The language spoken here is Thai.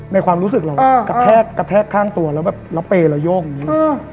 ความรู้สึกเรากระแทกข้างตัวแล้วแบบเราเปย์เราโยกอย่างนี้